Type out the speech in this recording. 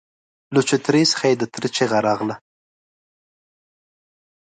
له چوترې څخه يې د تره چيغه راغله!